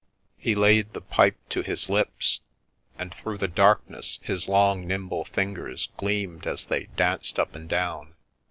He laid the pipe to his lips, and through the darkness his long nimble fingers gleamed as they danced up and down.